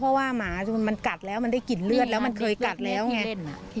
เพราะว่าหมามันกัดแล้วมันได้กลิ่นเลือดแล้วมันเคยกัดแล้วไง